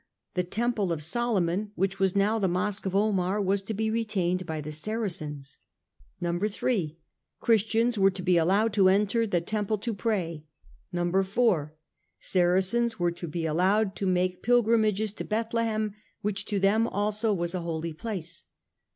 The Temple of Solomon, which was now the Mosque of Omar, was to be retained by the Saracens. 3. Christians were to be allowed to enter the Temple to pray. 4. Saracens were to be allowed to make pilgrimages to Bethlehem, which to them also was a holy place.